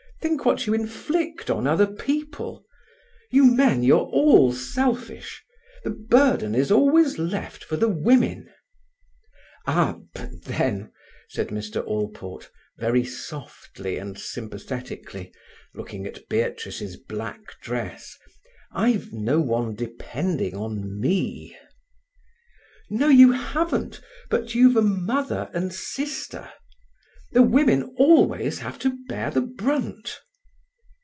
Think what you inflict on other people. You men, you're all selfish. The burden is always left for the women." "Ah, but then," said Mr. Allport very softly and sympathetically, looking at Beatrice's black dress, "I've no one depending on me." "No—you haven't—but you've a mother and sister. The women always have to bear the brunt."